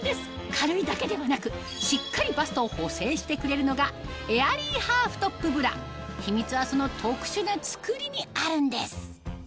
軽いだけではなくしっかりバストを補整してくれるのがエアリーハーフトップブラ秘密はその特殊な作りにあるんです